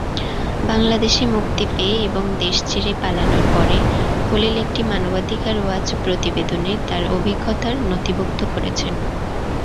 বাংলাদেশে মুক্তি পেয়ে এবং দেশ ছেড়ে পালানোর পরে খলিল একটি মানবাধিকার ওয়াচ প্রতিবেদনে তার অভিজ্ঞতার নথিভুক্ত করেছেন।